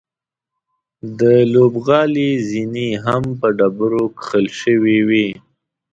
د لوبغالي زینې هم په ډبرو کښل شوې وې.